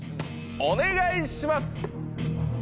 お願いします！